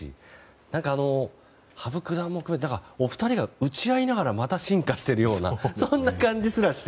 何か、羽生九段も含めお二人が打ち合いながらまた進化しているようなそんな感じすらして。